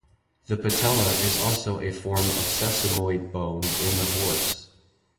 The patella is also a form of sesamoid bone in the horse.